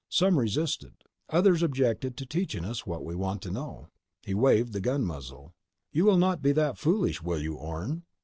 Some resisted. Others objected to teaching us what we want to know." He waved the gun muzzle. "You will not be that foolish, will you, Orne?"